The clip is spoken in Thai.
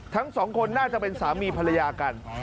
ทั้งสองคนน่าจะเป็นสามีภรรยากัน